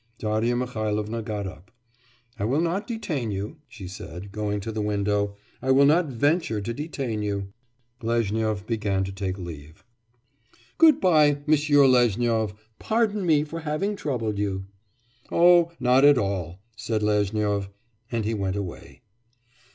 Darya Mihailovna got up. 'I will not detain you,' she said, going to the window. 'I will not venture to detain you.' Lezhnyov began to take leave. 'Good bye, Monsieur Lezhnyov! Pardon me for having troubled you.' 'Oh, not at all!' said Lezhnyov, and he went away.